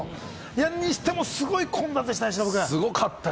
それにしても、すごい混雑でしたね、忍君。